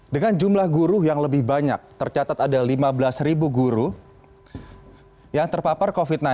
dengan jumlah guru yang lebih banyak tercatat ada lima belas guru yang terpapar covid sembilan belas